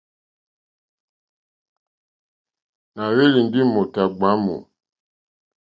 Nà hwélì ndí mòtà ɡbwǎmù.